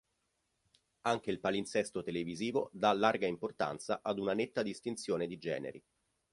Anche il palinsesto televisivo dà larga importanza ad una netta distinzione di generi.